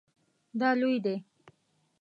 دا لوی دی